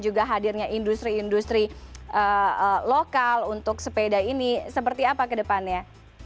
juga hadirnya industri industri lokal untuk sepeda ini seperti apa ke depannya